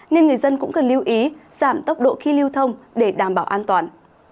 nên người dân cũng cần lưu ý giảm tốc độ khi lưu thông để đảm bảo an toàn